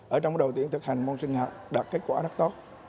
ở trong đầu tiên thực hành môn sinh học đạt kết quả rất tốt